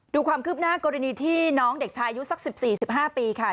ดูความคืบหน้ากรณีที่น้องเด็กชายอายุสัก๑๔๑๕ปีค่ะ